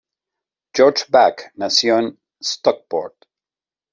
George Back nació en Stockport.